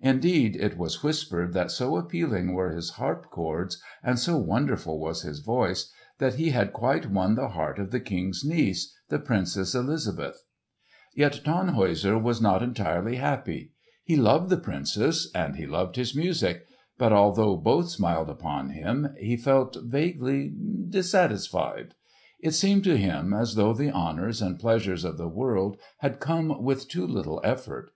Indeed, it was whispered that so appealing were his harp chords and so wonderful was his voice, that he had quite won the heart of the King's niece, the Princess Elizabeth. Yet Tannhäuser was not entirely happy. He loved the Princess and he loved his music, but although both smiled upon him he felt vaguely dissatisfied. It seemed to him as though the honours and pleasures of the world had come with too little effort.